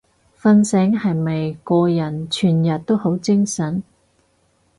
瞓醒係咪個人全日都好精神？